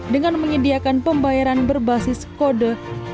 dengan menyediakan pembayaran berbasis kode qr code